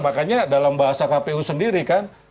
makanya dalam bahasa kpu sendiri kan